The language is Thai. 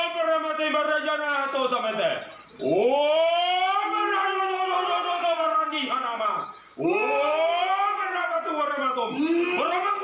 จะพบเหลือทีนะครับ